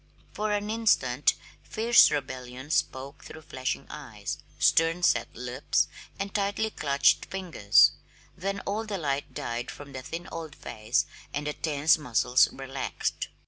For an instant fierce rebellion spoke through flashing eyes, stern set lips, and tightly clutched fingers; then all the light died from the thin old face and the tense muscles relaxed.